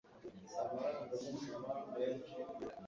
amarangamutima menshi mfite